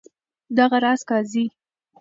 دغه راز قاضي.